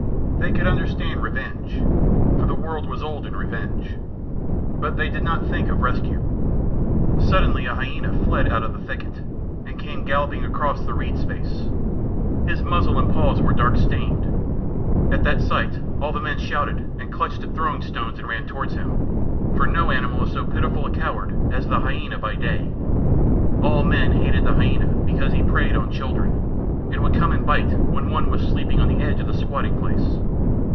They could understand revenge, for the world was old in revenge, but they did not think of rescue. Suddenly a hyæna fled out of the thicket, and came galloping across the reed space. His muzzle and paws were dark stained. At that sight all the men shouted and clutched at throwing stones and ran towards him, for no animal is so pitiful a coward as the hyæna by day. All men hated the hyæna because he preyed on children, and would come and bite when one was sleeping on the edge of the squatting place.